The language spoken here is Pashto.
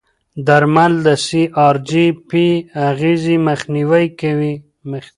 درمل د سی ار جي پي اغېزې مخنیوي کوي.